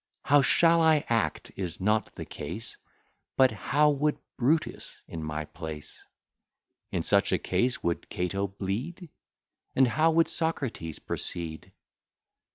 How shall I act, is not the case; But how would Brutus in my place? In such a case would Cato bleed? And how would Socrates proceed?